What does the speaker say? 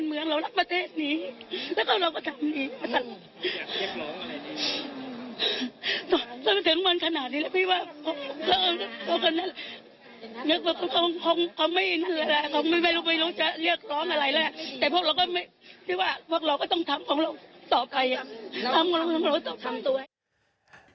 ทำของเราก็ต้องทำตัว